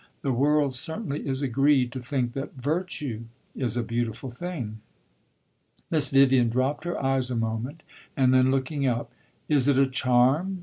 The world certainly is agreed to think that virtue is a beautiful thing." Miss Vivian dropped her eyes a moment, and then, looking up, "Is it a charm?"